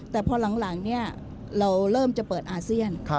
แต่พอหลังเราเริ่มจะเปิดอาเซียน